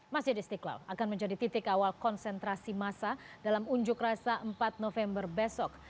masjid istiqlal akan menjadi titik awal konsentrasi masa dalam unjuk rasa empat november besok